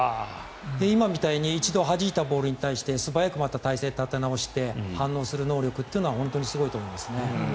今みたいに一度はじいたボールに対して素早くまた体勢を立て直して反応する能力というのは本当に素晴らしいと思いますね。